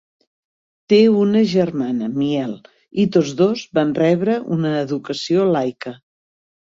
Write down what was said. Té una germana, Miel, i tots dos van rebre una educació laica.